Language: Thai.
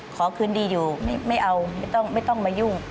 ขอคืนดีอยู่ไม่เอาไม่ต้องมายุ่ง